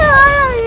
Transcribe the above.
ya allah dewa